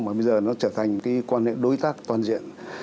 mà bây giờ nó trở thành cái quan hệ đối tác toàn diện